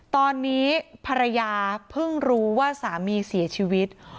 ตอนนี้ภรรยาเพิ่งรู้ว่าสามีเสียชีวิต